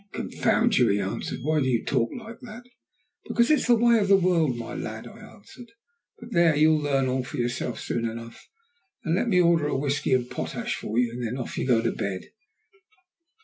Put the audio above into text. "Confound you," he answered; "why do you talk like that?" "Because it's the way of the world, my lad," I answered. "But there, you'll learn all for yourself soon enough. Now let me order a whisky and potash for you, and then off you go to bed."